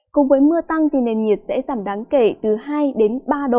cùng với mưa tăng thì nền nhiệt sẽ giảm đáng kể từ hai đến ba độ